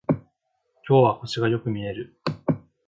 今日は星がよく見える